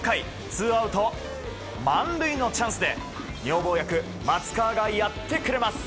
ツーアウト満塁のチャンスで女房役、松川がやってくれます。